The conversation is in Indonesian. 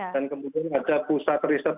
dan kemudian ada pusat riset laut